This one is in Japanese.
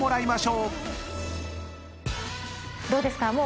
どうですか？